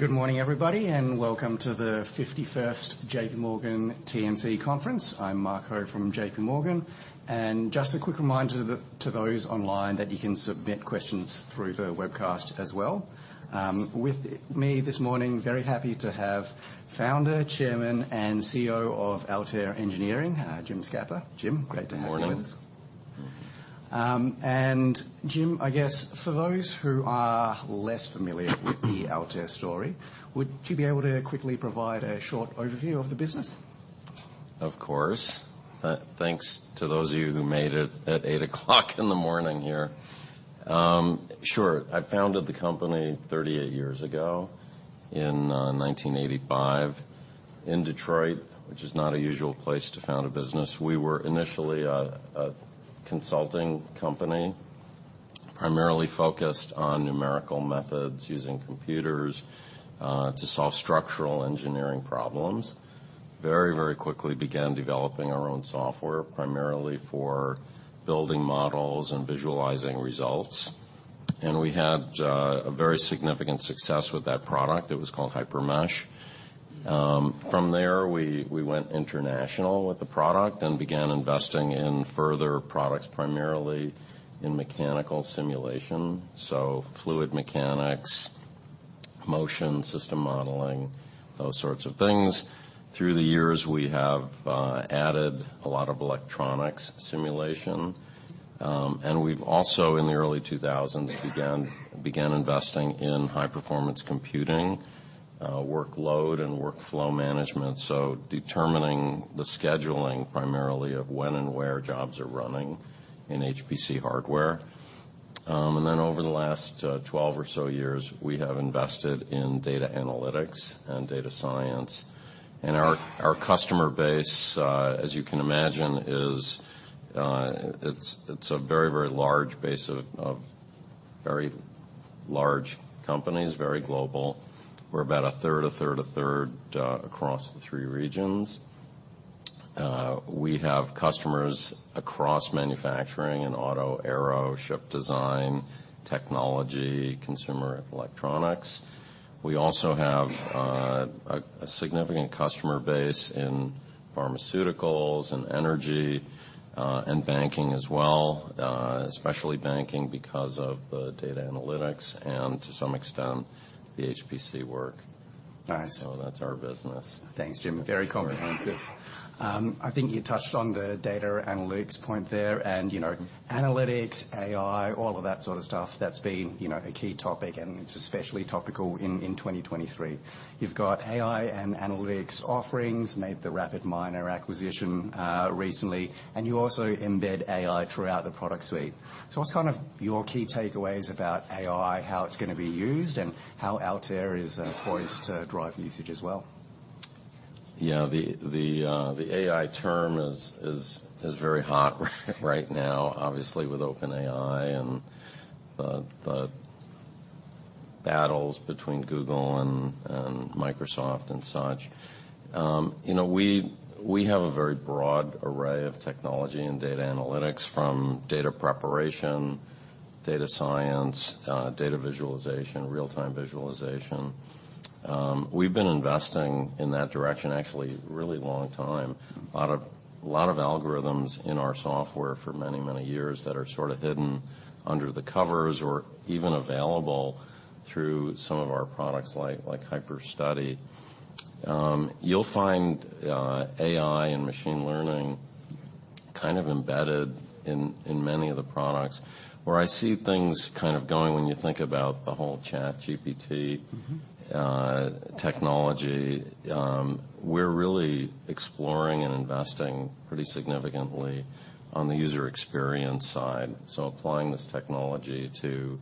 Good morning, everybody. Welcome to the 51st JPMorgan TMT conference. I'm Mark Murphy from JPMorgan. Just a quick reminder that to those online that you can submit questions through the webcast as well. With me this morning, very happy to have Founder, Chairman, and CEO of Altair Engineering, James Scapa. James, great to have you with us. Good morning. James, I guess for those who are less familiar with the Altair story, would you be able to quickly provide a short overview of the business? Of course. Thanks to those of you who made it at 8:00 A.M in the morning here. Sure. I founded the company 38 years ago in 1985 in Detroit, which is not a usual place to found a business. We were initially a consulting company, primarily focused on numerical methods using computers to solve structural engineering problems. Very, very quickly began developing our own software, primarily for building models and visualizing results. We had a very significant success with that product. It was called HyperMesh. From there, we went international with the product and began investing in further products, primarily in mechanical simulation, so fluid mechanics, motion, system modeling, those sorts of things. Through the years, we have added a lot of electronics simulation. We've also, in the early 2000s, began investing in high-performance computing, workload and workflow management, so determining the scheduling primarily of when and where jobs are running in HPC hardware. Over the last, 12 or so years, we have invested in data analytics and data science. Our, our customer base, as you can imagine, is, it's a very, very large base of very large companies, very global. We're about a third, a third, a third, across the three regions. We have customers across manufacturing and auto, aero, ship design, technology, consumer electronics. We also have a significant customer base in pharmaceuticals and energy, and banking as well, especially banking because of the data analytics and to some extent, the HPC work. Nice. That's our business. Thanks, James. Very comprehensive. Yeah. I think you touched on the data analytics point there and, you know, analytics, AI, all of that sort of stuff that's been, you know, a key topic, and it's especially topical in 2023. You've got AI and analytics offerings, made the RapidMiner acquisition recently, and you also embed AI throughout the product suite. What's kind of your key takeaways about AI, how it's gonna be used, and how Altair is poised to drive usage as well? Yeah. The AI term is very hot right now, obviously with OpenAI and the battles between Google and Microsoft and such. You know, we have a very broad array of technology and data analytics from data preparation, data science, data visualization, real-time visualization. We've been investing in that direction actually really long time. A lot of algorithms in our software for many, many years that are sort of hidden under the covers or even available through some of our products like HyperStudy. You'll find AI and machine learning kind of embedded in many of the products. Where I see things kind of going when you think about the whole ChatGPT- Mm-hmm... technology, we're really exploring and investing pretty significantly on the user experience side. Applying this technology to,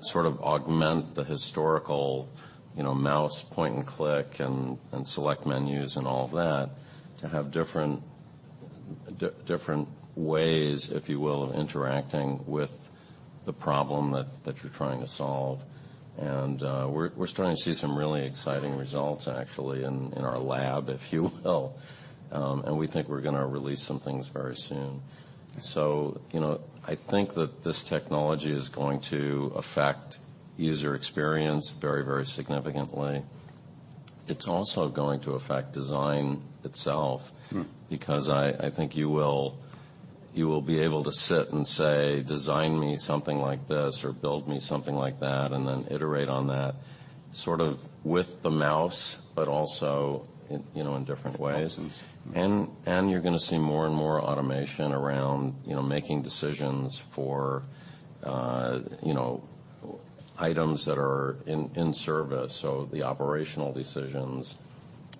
sort of augment the historical, you know, mouse point and click and select menus and all of that to have different ways, if you will, of interacting with the problem that you're trying to solve. We're starting to see some really exciting results actually in our lab, if you will. We think we're gonna release some things very soon. You know, I think that this technology is going to affect user experience very, very significantly. It's also going to affect design itself- Mm-hmm... because I think you will, you will be able to sit and say, "Design me something like this or build me something like that," and then iterate on that sort of with the mouse, but also in, you know, in different ways. Mm-hmm. You're gonna see more and more automation around, you know, making decisions for, you know, items that are in service. The operational decisions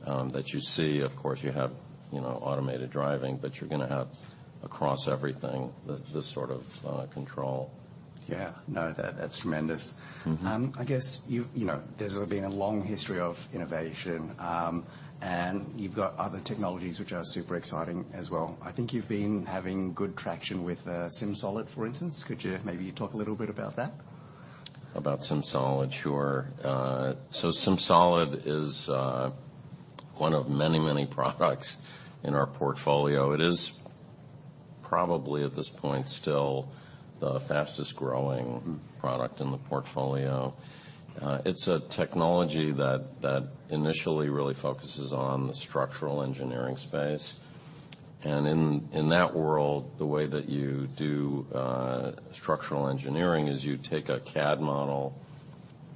that you see. Of course, you have, you know, automated driving, but you're gonna have across everything this sort of control. Yeah. No, that's tremendous. Mm-hmm. I guess you know, there's been a long history of innovation, and you've got other technologies which are super exciting as well. I think you've been having good traction with, SimSolid, for instance. Could you maybe talk a little bit about that? About SimSolid? Sure. SimSolid is one of many, many products in our portfolio. Probably at this point, still the fastest growing product in the portfolio. It's a technology that initially really focuses on the structural engineering space. In that world, the way that you do structural engineering is you take a CAD model,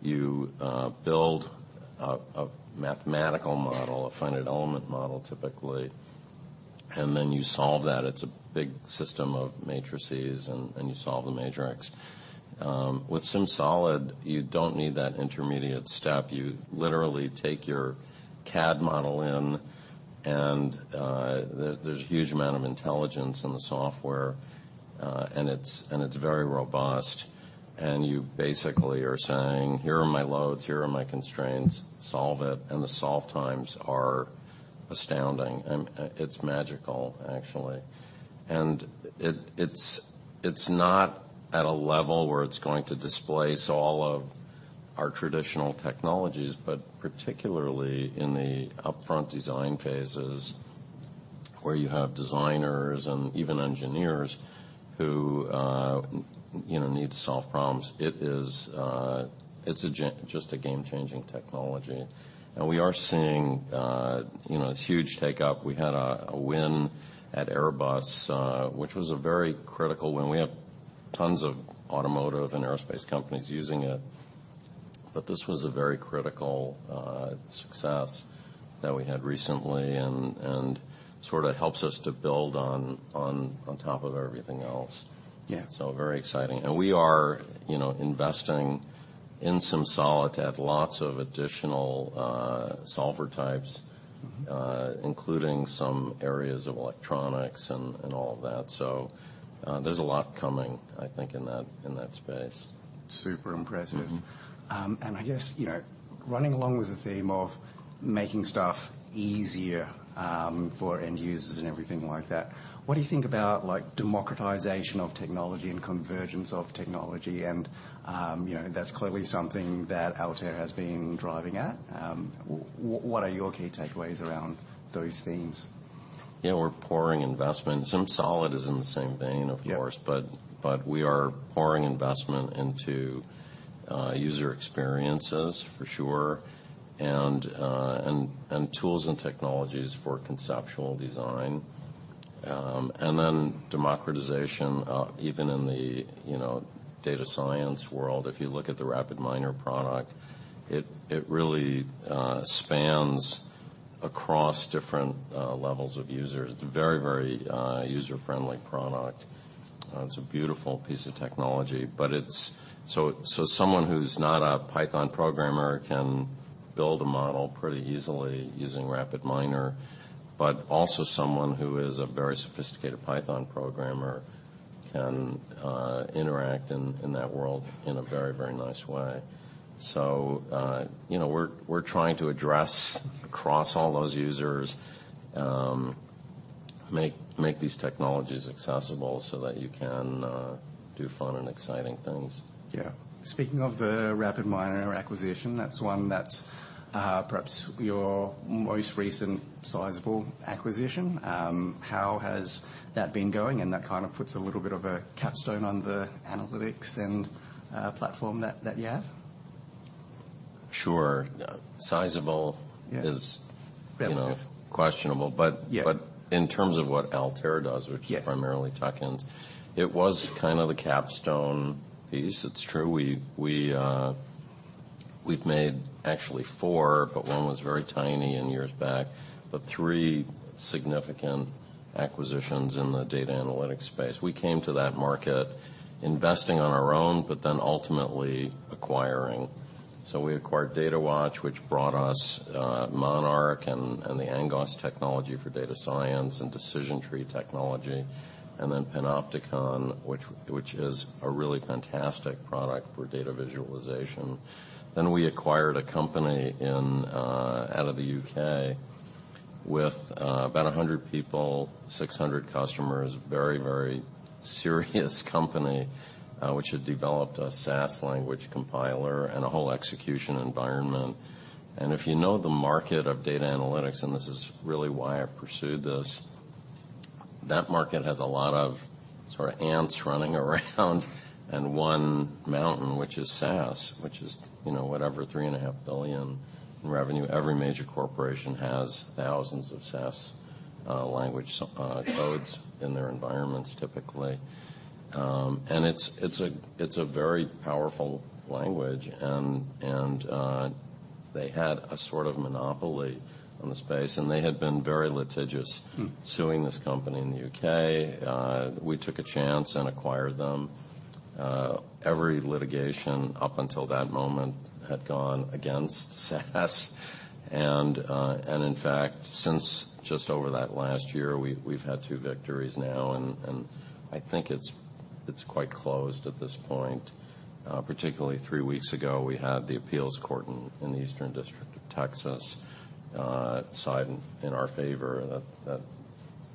you build a mathematical model, a finite element model, typically, and then you solve that. It's a big system of matrices, and you solve the matrix. With SimSolid, you don't need that intermediate step. You literally take your CAD model in and there's a huge amount of intelligence in the software, and it's very robust, and you basically are saying, "Here are my loads, here are my constraints, solve it." The solve times are astounding. It's magical, actually. It's, it's not at a level where it's going to displace all of our traditional technologies, but particularly in the upfront design phases where you have designers and even engineers who, you know, need to solve problems, it is just a game-changing technology. We are seeing, you know, this huge take up. We had a win at Airbus, which was a very critical win. We have tons of automotive and aerospace companies using it, but this was a very critical success that we had recently and sort of helps us to build on top of everything else. Yeah. Very exciting. We are, you know, investing in SimSolid to add lots of additional, solver types. Mm-hmm... including some areas of electronics and all of that. There's a lot coming, I think, in that space. Super impressive. Mm-hmm. I guess, you know, running along with the theme of making stuff easier, for end users and everything like that, what do you think about, like, democratization of technology and convergence of technology and, you know, that's clearly something that Altair has been driving at. What are your key takeaways around those themes? Yeah. We're pouring investment. SimSolid is in the same vein, of course. Yeah. We are pouring investment into user experiences for sure and tools and technologies for conceptual design. Then democratization, even in the, you know, data science world. If you look at the RapidMiner product, it really spans across different levels of users. It's a very user-friendly product. It's a beautiful piece of technology, but someone who's not a Python Programmer can build a model pretty easily using RapidMiner, but also someone who is a very sophisticated Python Programmer can interact in that world in a very, very nice way. You know, we're trying to address across all those users, make these technologies accessible so that you can do fun and exciting things. Yeah. Speaking of the RapidMiner acquisition, that's one that's perhaps your most recent sizable acquisition. How has that been going? That kind of puts a little bit of a capstone on the analytics and platform that you have. Sure. Yeah... is, you know. Fair... questionable. Yeah... but in terms of what Altair does. Yes... which is primarily tech ends. It was kind of the capstone piece. It's true. We've made actually four, but one was very tiny and years back, but three significant acquisitions in the data analytics space. We came to that market investing on our own. Ultimately acquiring. We acquired Datawatch, which brought us Monarch and the Angoss technology for data science and decision tree technology, and Panopticon, which is a really fantastic product for data visualization. We acquired a company out of the U.K. with about 100 people, 600 customers. Very, very serious company, which had developed a SAS language compiler and a whole execution environment. If you know the market of data analytics, and this is really why I pursued this, that market has a lot of sort of ants running around and one mountain, which is SAS, which is, you know, whatever, $3.5 billion in revenue. Every major corporation has thousands of SAS language codes in their environments typically. It's a very powerful language and they had a sort of monopoly on the space, and they had been very litigious- Mm ...suing this company in the U.K. We took a chance and acquired them. Every litigation up until that moment had gone against SAS. In fact, since just over that last year, we've had two victories now, and I think it's quite closed at this point. Particularly three weeks ago, we had the appeals court in the Eastern District of Texas, side in our favor that.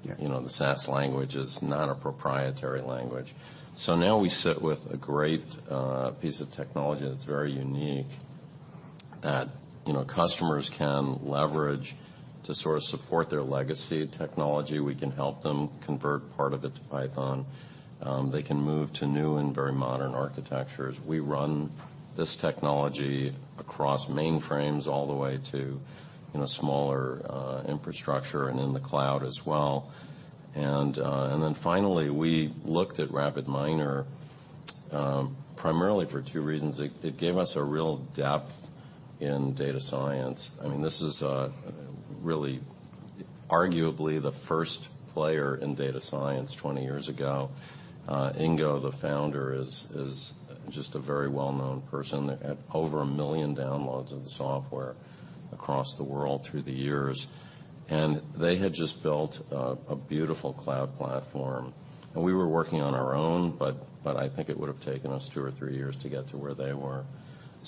Yeah... you know, the SAS language is not a proprietary language. Now we sit with a great piece of technology that's very unique. That, you know, customers can leverage to sort of support their legacy technology. We can help them convert part of it to Python. They can move to new and very modern architectures. We run this technology across mainframes all the way to, you know, smaller infrastructure and in the cloud as well. Then finally, we looked at RapidMiner primarily for two reasons. It gave us a real depth in data science. I mean, this is really arguably the first player in data science 20 years ago. Ingo, the founder, is just a very well-known person. They had over 1 million downloads of the software across the world through the years. They had just built a beautiful cloud platform, and we were working on our own, but I think it would've taken us two or three years to get to where they were.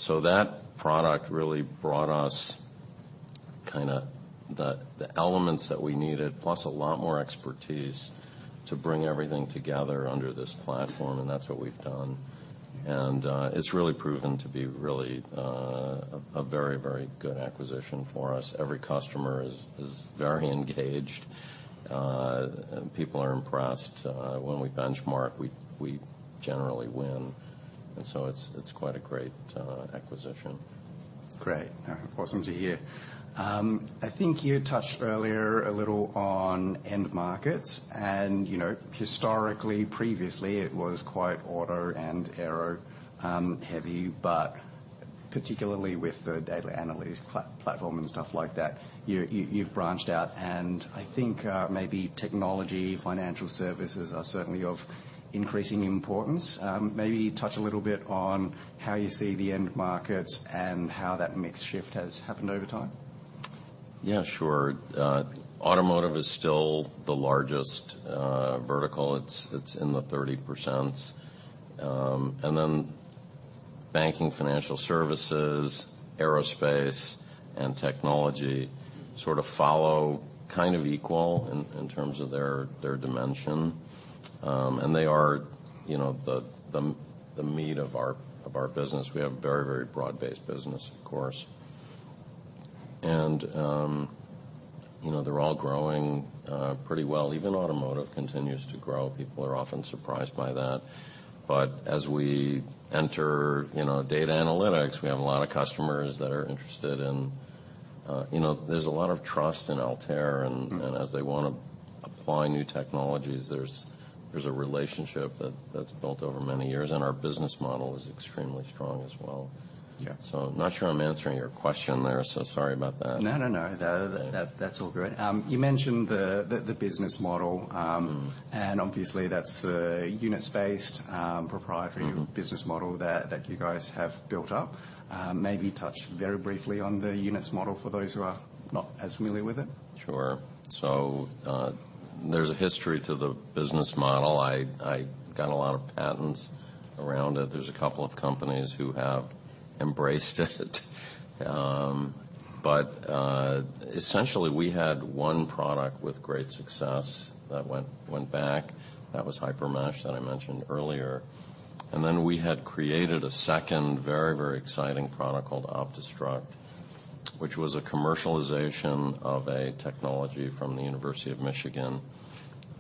That product really brought us kinda the elements that we needed, plus a lot more expertise to bring everything together under this platform, and that's what we've done. It's really proven to be really a very, very good acquisition for us. Every customer is very engaged. People are impressed. When we benchmark, we generally win. It's quite a great acquisition. Great. Awesome to hear. I think you touched earlier a little on end markets, and, you know, historically, previously, it was quite auto and aero heavy, but particularly with the data analytics platform and stuff like that, you've branched out. I think maybe technology, financial services are certainly of increasing importance. Maybe touch a little bit on how you see the end markets and how that mix shift has happened over time. Yeah, sure. automotive is still the largest vertical. It's in the 30%. banking, financial services, aerospace, and technology sort of follow, kind of equal in terms of their dimension. They are, you know, the meat of our business. We have a very broad-based business, of course. You know, they're all growing pretty well. Even automotive continues to grow. People are often surprised by that. As we enter, you know, data analytics, we have a lot of customers that are interested in. You know, there's a lot of trust in Altair. Mm-hmm. As they wanna apply new technologies, there's a relationship that's built over many years, and our business model is extremely strong as well. Yeah. Not sure I'm answering your question there, so sorry about that. No, no. That's all great. You mentioned the business model. Mm-hmm. Obviously, that's the units-based. Mm-hmm. Business model that you guys have built up. Maybe touch very briefly on the units model for those who are not as familiar with it. Sure. There's a history to the business model. I got a lot of patents around it. There's a couple of companies who have embraced it. Essentially, we had one product with great success that went back. That was HyperMesh that I mentioned earlier. We had created a second very exciting product called OptiStruct, which was a commercialization of a technology from the University of Michigan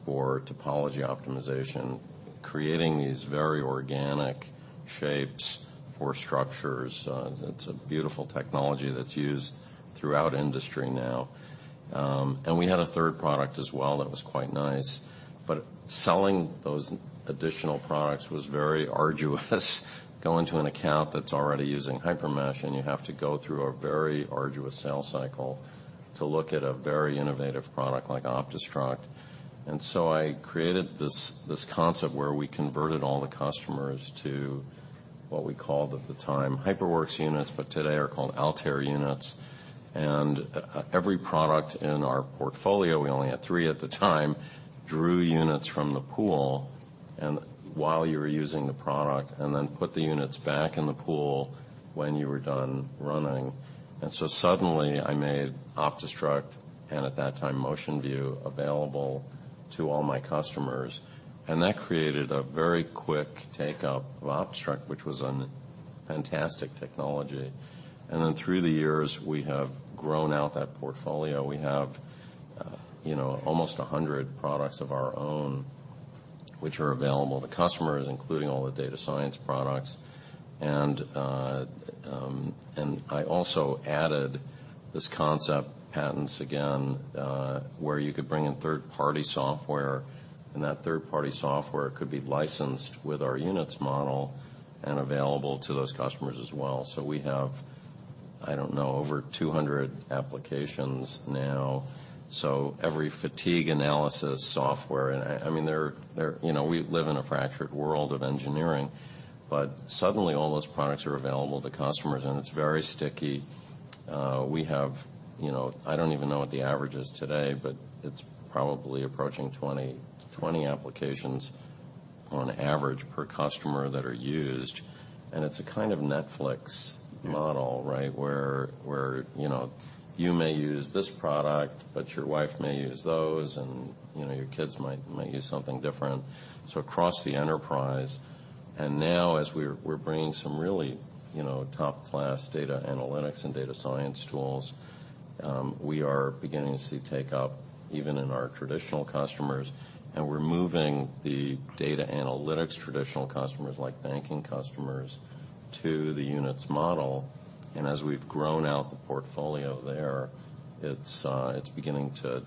for topology optimization, creating these very organic shapes for structures. It's a beautiful technology that's used throughout industry now. We had a third product as well that was quite nice. Selling those additional products was very arduous. Go into an account that's already using HyperMesh, you have to go through a very arduous sales cycle to look at a very innovative product like OptiStruct. I created this concept where we converted all the customers to what we called at the time HyperWorks Units, but today are called Altair Units. Every product in our portfolio, we only had three at the time, drew units from the pool, and while you were using the product, and then put the units back in the pool when you were done running. Suddenly, I made OptiStruct, and at that time MotionView, available to all my customers. That created a very quick take-up of OptiStruct, which was a fantastic technology. Through the years, we have grown out that portfolio. We have, you know, almost 100 products of our own which are available to customers, including all the data science products. I also added this concept, patents again, where you could bring in third-party software, and that third-party software could be licensed with our units model and available to those customers as well. We have, I don't know, over 200 applications now. Every fatigue analysis software, and I mean, You know, we live in a fractured world of engineering. Suddenly, all those products are available to customers, and it's very sticky. We have, you know, I don't even know what the average is today, but it's probably approaching 20. 20 applications on average per customer that are used. It's a kind of Netflix model. Mm-hmm. -right? Where, you know, you may use this product, but your wife may use those, and, you know, your kids might use something different. Across the enterprise. Now, as we're bringing some really, you know, top-class data analytics and data science tools, we are beginning to see take up even in our traditional customers, and we're moving the data analytics traditional customers, like banking customers, to the units model. As we've grown out the portfolio there, it's beginning to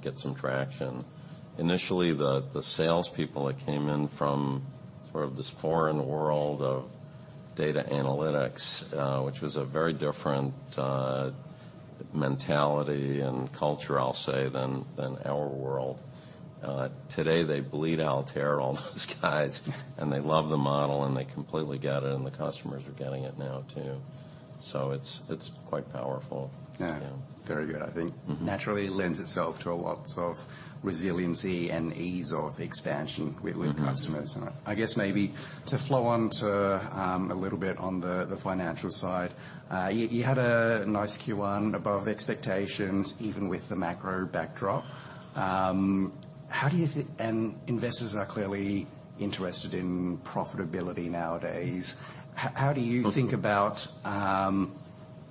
get some traction. Initially, the sales people that came in from sort of this foreign world of data analytics, which was a very different mentality and culture, I'll say, than our world, today they bleed Altair, all those guys. They love the model, and they completely get it, and the customers are getting it now too. It's quite powerful. Yeah. Yeah. Very good. Mm-hmm... naturally lends itself to a lots of resiliency and ease of expansion. Mm-hmm with customers. I guess maybe to flow on to a little bit on the financial side. You had a nice Q1 above expectations, even with the macro backdrop. Investors are clearly interested in profitability nowadays. How do you think about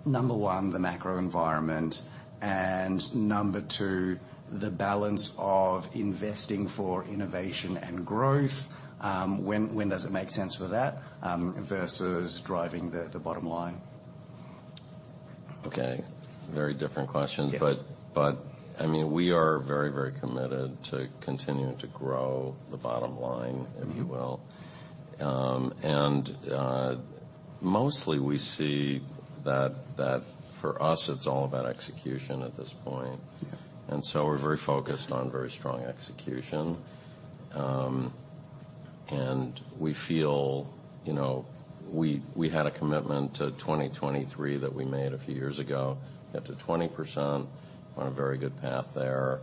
Number one, the macro environment, and Number two, the balance of investing for innovation and growth? When, when does it make sense for that versus driving the bottom line? Okay. Very different question. Yes. I mean, we are very, very committed to continuing to grow the bottom line. Mm-hmm... if you will. Mostly we see that for us it's all about execution at this point. Yeah. We're very focused on very strong execution. We feel, you know, we had a commitment to 2023 that we made a few years ago, get to 20%. On a very good path there,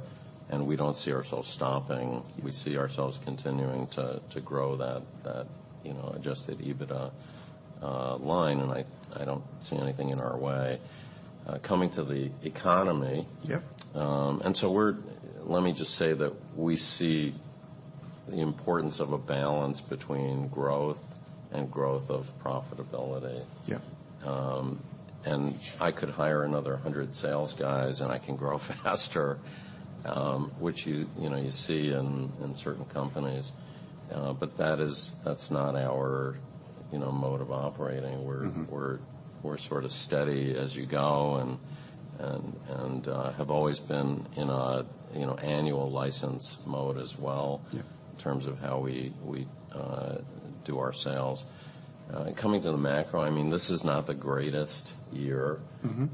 and we don't see ourselves stopping. Yeah. We see ourselves continuing to grow that, you know, adjusted EBITDA line, and I don't see anything in our way. Coming to the economy. Yeah. Let me just say that we see the importance of a balance between growth and growth of profitability. Yeah. I could hire another 100 sales guys, and I can grow faster, which you know, you see in certain companies. That's not our, you know, mode of operating. Mm-hmm. We're sort of steady as you go and have always been in a, you know, annual license mode as well. Yeah... in terms of how we do our sales. Coming to the macro, I mean, this is not the greatest year. Mm-hmm.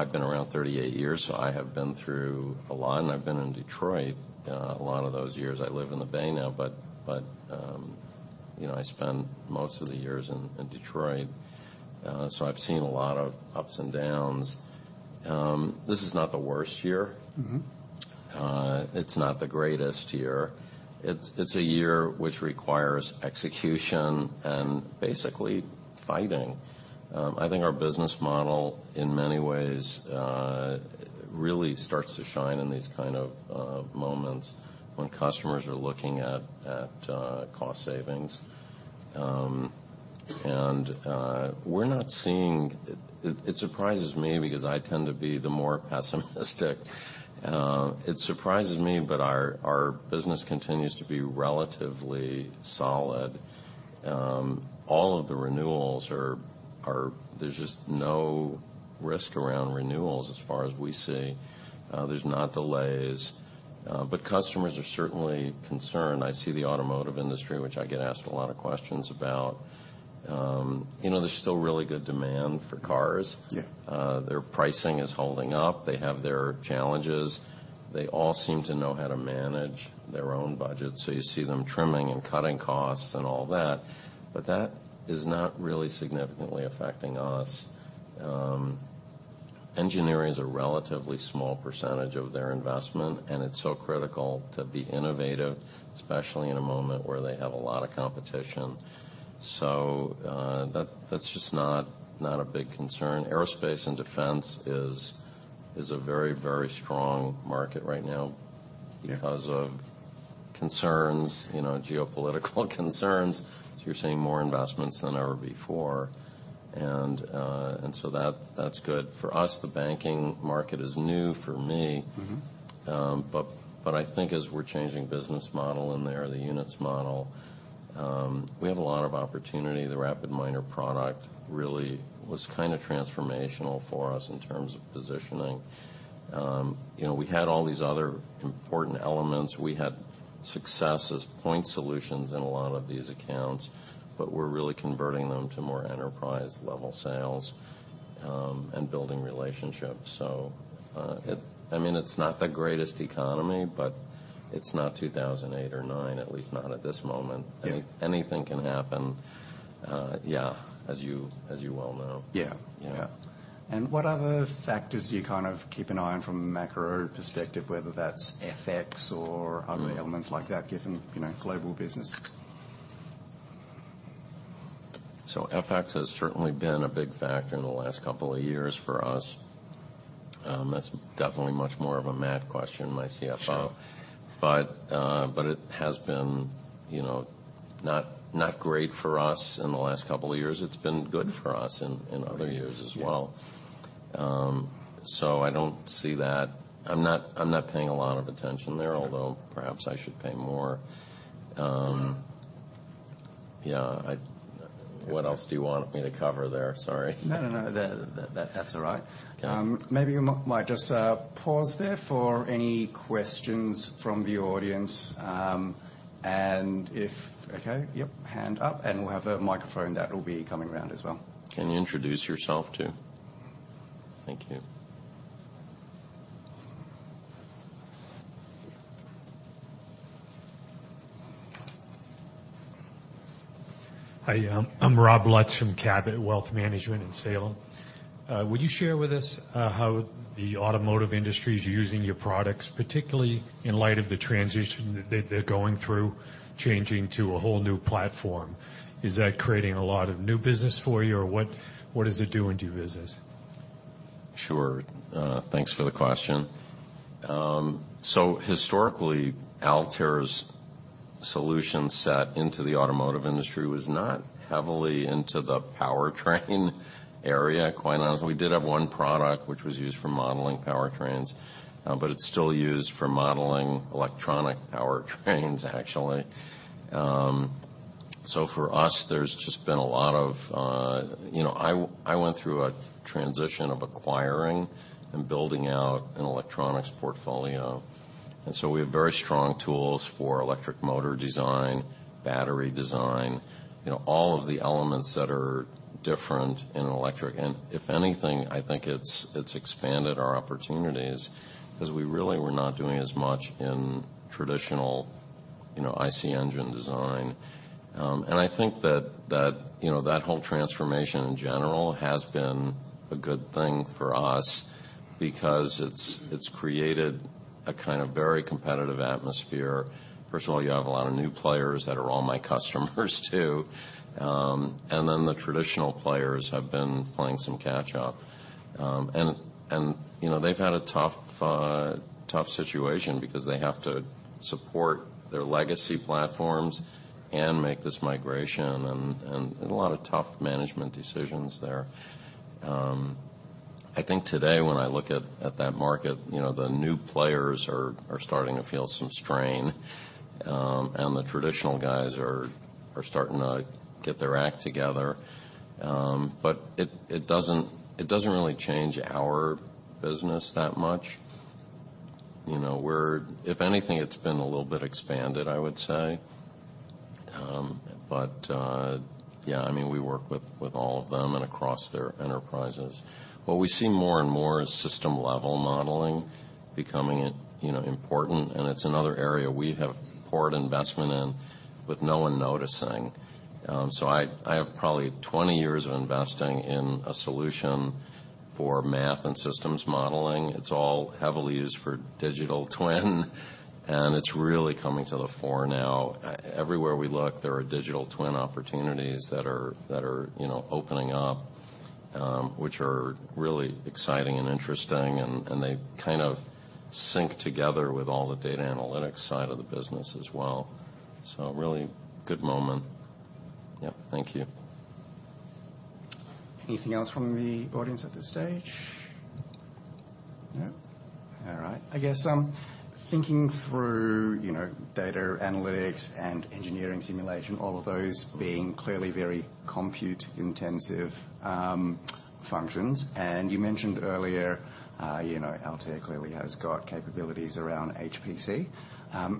I've been around 38 years, so I have been through a lot, and I've been in Detroit a lot of those years. I live in the Bay now, but you know, I spent most of the years in Detroit. I've seen a lot of ups and downs. This is not the worst year. Mm-hmm. It's not the greatest year. It's a year which requires execution and basically fighting. I think our business model in many ways, really starts to shine in these kind of moments when customers are looking at cost savings. It surprises me because I tend to be the more pessimistic. It surprises me, our business continues to be relatively solid. All of the renewals are there's just no risk around renewals as far as we see. There's not delays, customers are certainly concerned. I see the automotive industry, which I get asked a lot of questions about. You know, there's still really good demand for cars. Yeah. Their pricing is holding up. They have their challenges. They all seem to know how to manage their own budget, so you see them trimming and cutting costs and all that. That is not really significantly affecting us. Engineering is a relatively small percentage of their investment, and it's so critical to be innovative, especially in a moment where they have a lot of competition. That's just not a big concern. Aerospace and defense is a very strong market right now. Yeah... because of concerns, you know, geopolitical concerns. You're seeing more investments than ever before. So that's good. For us, the banking market is new for me. Mm-hmm. I think as we're changing business model in there, the units model, we have a lot of opportunity. The RapidMiner product really was kind of transformational for us in terms of positioning. You know, we had all these other important elements. We had success as point solutions in a lot of these accounts, but we're really converting them to more enterprise-level sales, and building relationships. I mean, it's not the greatest economy, but it's not 2008 or 2009, at least not at this moment. Yeah. Anything can happen, yeah, as you well know. Yeah. Yeah. Yeah. What other factors do you kind of keep an eye on from a macro perspective, whether that's FX or... Mm-hmm... other elements like that, given, you know, global business? FX has certainly been a big factor in the last couple of years for us. That's definitely much more of a Matthew question, my CFO. Sure. But it has been, you know. Not great for us in the last couple of years. It's been good for us in other years as well. I don't see that. I'm not paying a lot of attention there, although perhaps I should pay more. Yeah, what else do you want me to cover there? Sorry. No, no. That's all right. Okay. Maybe you might just pause there for any questions from the audience. Okay, yep, hand up, and we'll have a microphone that will be coming round as well. Can you introduce yourself too? Thank you. Hi, I'm Robert Lutts from Cabot Wealth Management in Sale. Would you share with us, how the automotive industry is using your products, particularly in light of the transition that they're going through, changing to a whole new platform? Is that creating a lot of new business for you? Or what is it doing to your business? Thanks for the question. Historically, Altair's solution set into the automotive industry was not heavily into the powertrain area, quite honestly. We did have one product which was used for modeling powertrains, but it's still used for modeling electronic powertrains actually. For us, there's just been a lot of. You know, I went through a transition of acquiring and building out an electronics portfolio, and so we have very strong tools for electric motor design, battery design, you know, all of the elements that are different in electric. If anything, I think it's expanded our opportunities, 'cause we really were not doing as much in traditional, you know, IC engine design. I think that, you know, that whole transformation in general has been a good thing for us because it's created a kind of very competitive atmosphere. First of all, you have a lot of new players that are all my customers too. The traditional players have been playing some catch up. You know, they've had a tough situation because they have to support their legacy platforms and make this migration and a lot of tough management decisions there. I think today when I look at that market, you know, the new players are starting to feel some strain, the traditional guys are starting to get their act together. It doesn't really change our business that much. You know, If anything, it's been a little bit expanded, I would say. Yeah, I mean, we work with all of them and across their enterprises. What we see more and more is system-level modeling becoming, you know, important, and it's another area we have poured investment in with no one noticing. I have probably 20 years of investing in a solution for math and systems modeling. It's all heavily used for digital twin, and it's really coming to the fore now. Everywhere we look, there are digital twin opportunities that are, that are, you know, opening up, which are really exciting and interesting and they kind of sync together with all the data analytics side of the business as well. Really good moment. Yep. Thank you. Anything else from the audience at this stage? No. All right. I guess, thinking through, you know, data analytics and engineering simulation, all of those being clearly very compute-intensive, functions. You mentioned earlier, you know, Altair clearly has got capabilities around HPC.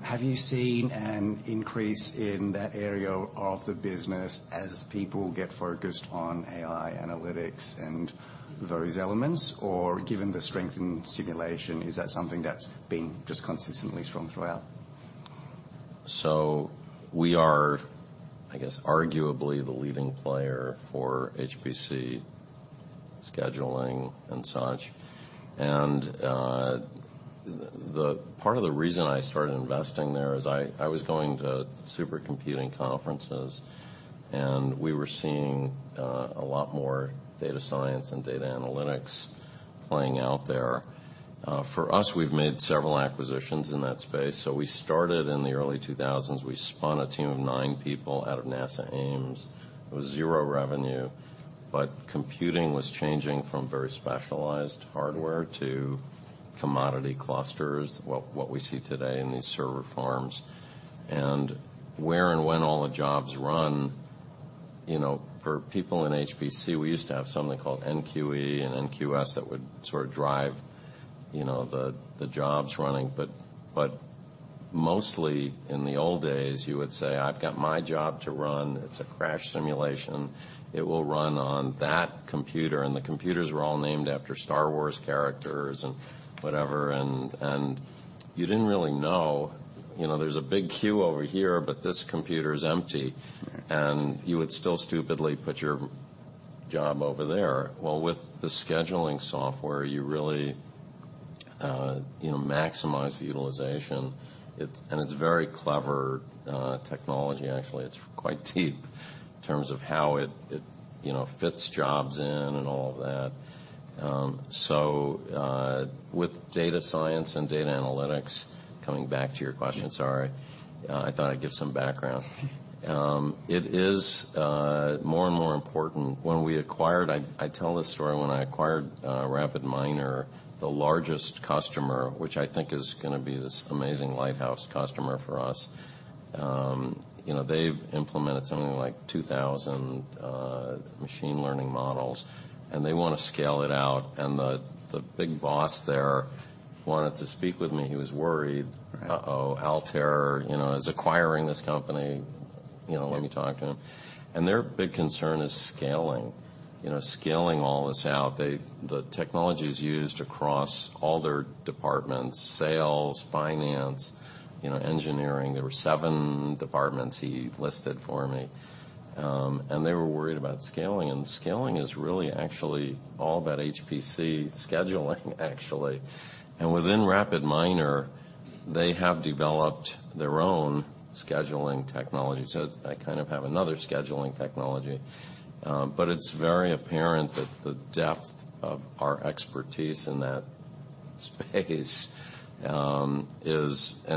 Have you seen an increase in that area of the business as people get focused on AI analytics and those elements? Or given the strength in simulation, is that something that's been just consistently strong throughout? We are, I guess, arguably the leading player for HPC scheduling and such. The part of the reason I started investing there is I was going to supercomputing conferences, and we were seeing a lot more data science and data analytics playing out there. For us, we've made several acquisitions in that space. We started in the early 2000s. We spun a team of nine people out of NASA Ames. It was zero revenue. Computing was changing from very specialized hardware to commodity clusters, what we see today in these server farms. Where and when all the jobs run, you know, for people in HPC, we used to have something called NQE and NQS that would sort of drive, you know, the jobs running. Mostly in the old days, you would say, "I've got my job to run. It's a crash simulation. It will run on that computer." The computers were all named after Star Wars characters and whatever, and you didn't really know. You know, there's a big queue over here, but this computer is empty, and you would still stupidly put your job over there. Well, with the scheduling software, you really, you know, maximize the utilization. It's very clever technology actually. It's quite deep in terms of how it, you know, fits jobs in and all of that. With data science and data analytics, coming back to your question, sorry. I thought I'd give some background. It is more and more important. When we acquired... I tell this story, when I acquired RapidMiner, the largest customer, which I think is gonna be this amazing lighthouse customer for us, you know, they've implemented something like 2,000 machine learning models, and they wanna scale it out. The big boss there wanted to speak with me. He was worried. Right. Altair, you know, is acquiring this company, you know, let me talk to him. Their big concern is scaling. You know, scaling all this out. The technology's used across all their departments, sales, finance, you know, engineering. There were seven departments he listed for me. They were worried about scaling, and scaling is really actually all about HPC scheduling actually. Within RapidMiner, they have developed their own scheduling technology. I kind of have another scheduling technology. It's very apparent that the depth of our expertise in that space is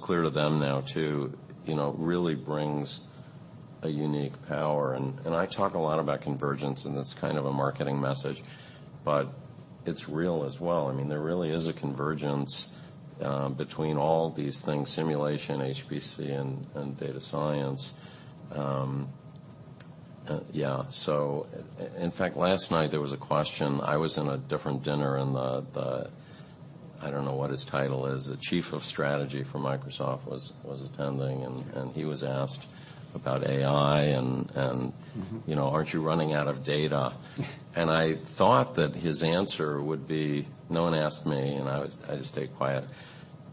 clear to them now too, you know, really brings a unique power. I talk a lot about convergence, and it's kind of a marketing message, but it's real as well. I mean, there really is a convergence, between all these things, simulation, HPC and data science. Yeah. In fact, last night there was a question. I was in a different dinner and the, I don't know what his title is, the Chief of Strategy for Microsoft was attending. Mm-hmm. He was asked about AI and. Mm-hmm... you know, "Aren't you running out of data?" I thought that his answer would be. No one asked me, I just stayed quiet.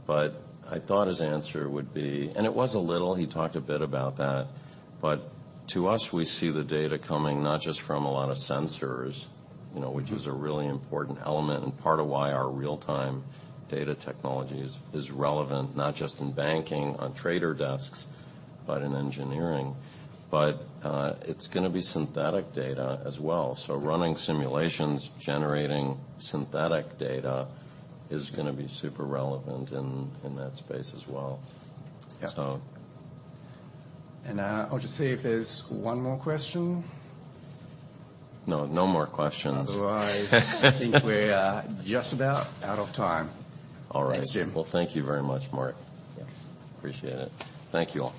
I thought his answer would be. It was a little. He talked a bit about that. To us, we see the data coming not just from a lot of sensors, you know. Mm-hmm Which is a really important element and part of why our real-time data technologies is relevant, not just in banking on trader desks, but in engineering. It's gonna be synthetic data as well. Running simulations, generating synthetic data is gonna be super relevant in that space as well. Yeah. So... I'll just see if there's one more question. No. No more questions. Otherwise, I think we're just about out of time. All right. Thanks, Jim. Well, thank you very much, Mark. Yeah. Appreciate it. Thank you all.